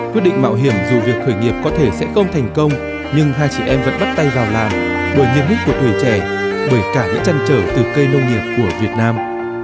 quyết định mạo hiểm dù việc khởi nghiệp có thể sẽ không thành công nhưng hai chị em vẫn bắt tay vào làm bởi nhiệt huyết của tuổi trẻ bởi cả những trăn trở từ cây nông nghiệp của việt nam